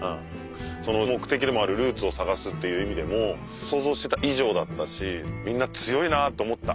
目的でもあるルーツを探すっていう意味でも想像してた以上だったしみんな強いなと思った。